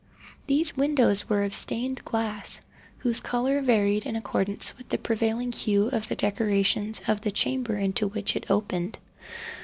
These windows were of stained glass whose colour varied in accordance with the prevailing hue of the decorations of the chamber into which it opened.